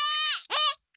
えっ！？